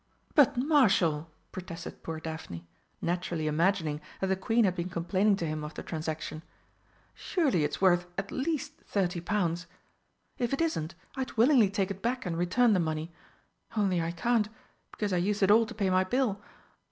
"But, Marshal!" protested poor Daphne, naturally imagining that the Queen had been complaining to him of the transaction, "surely it's worth at least thirty pounds! If it isn't, I'd willingly take it back and return the money. Only I can't because I used it all to pay my bill.